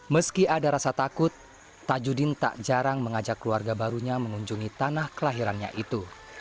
meski ada rasa takut tajudin tak jarang mengajak keluarga barunya mengunjungi tanah kelahirannya itu